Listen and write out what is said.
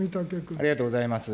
ありがとうございます。